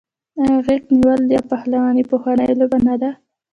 آیا غیږ نیول یا پهلواني پخوانۍ لوبه نه ده؟